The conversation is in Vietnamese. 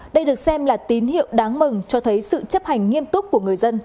đây được xem là tín hiệu đáng mừng cho thấy sự chấp hành nghiêm túc của người dân